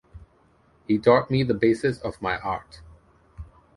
He taught me the basis of my art.